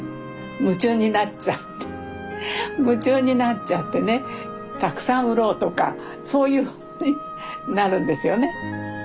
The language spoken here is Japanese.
夢中になっちゃって夢中になっちゃってねたくさん売ろうとかそういうふうにねなるんですよね。